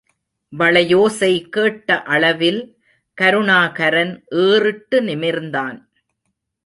வளையோசை கேட்ட அளவில், கருணாகரன் ஏறிட்டு நிமிர்ந்தான்.